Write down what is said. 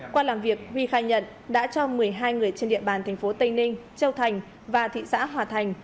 qua làm việc huy khai nhận đã cho một mươi hai người trên địa bàn tp tây ninh châu thành và thị xã hòa thành